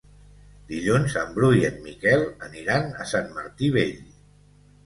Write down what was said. Dilluns en Bru i en Miquel aniran a Sant Martí Vell.